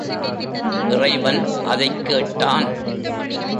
இறைவன் அதைக் கேட்டான்.